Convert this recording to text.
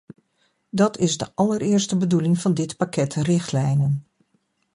Dat is de allereerste bedoeling van dit pakket richtlijnen.